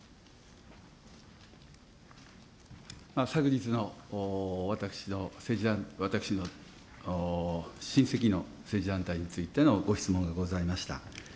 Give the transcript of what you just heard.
昨日の私の親戚の政治団体についてのご質問がございました。